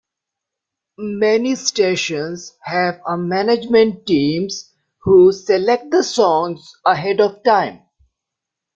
Many stations have a management teams who select the songs ahead of time.